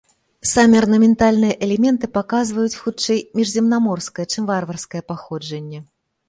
Самі арнаментальныя элементы паказваюць, хутчэй, міжземнаморскае, чым варварскае паходжанне.